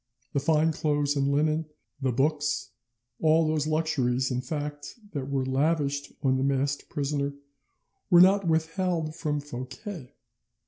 The fine clothes and linen, the books, all those luxuries in fact that were lavished on the masked prisoner, were not withheld from Fouquet.